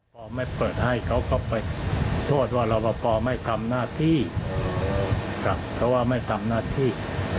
พอไม่เปิดให้เขาก็ไปโทษว่ารอปภไม่ทำหน้าที่ครับเพราะว่าไม่ทำหน้าที่